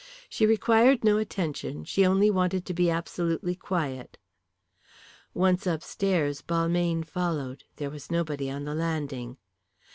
She required no attention, she only wanted to be absolutely quiet. Once upstairs Balmayne followed. There was nobody on the landing.